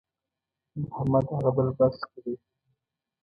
محمد هغه بل بس کې دی.